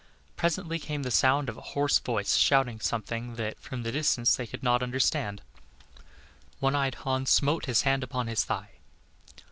Presently came the sound of a hoarse voice shouting something that, from the distance, they could not understand. One eyed Hans smote his hand upon his thigh.